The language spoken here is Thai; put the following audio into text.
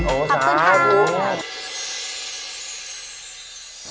โอ้สามารถ